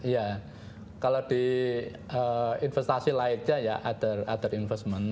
ya kalau di investasi lainnya ya other investment